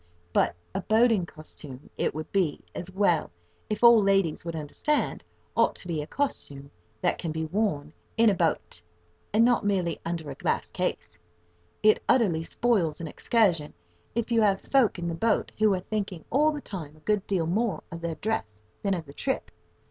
But a "boating costume," it would be as well if all ladies would understand, ought to be a costume that can be worn in a boat, and not merely under a glass case. It utterly spoils an excursion if you have folk in the boat who are thinking all the time a good deal more of their dress than of the trip.